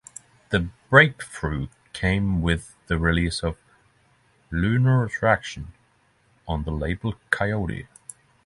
The breakthrough came with the release 'Lunar Attraction' on the label Koyote.